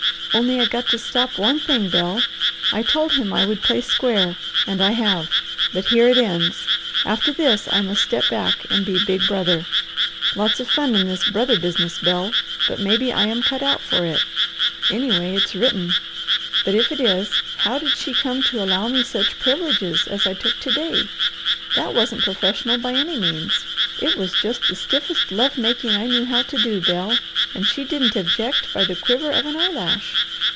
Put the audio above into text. "Only I got to stop one thing, Bel. I told him I would play square, and I have. But here it ends. After this, I must step back and be big brother. Lots of fun in this brother business, Bel. But maybe I am cut out for it. Anyway it's written! But if it is, how did she come to allow me such privileges as I took to day? That wasn't professional by any means. It was just the stiffest love making I knew how to do, Bel, and she didn't object by the quiver of an eyelash.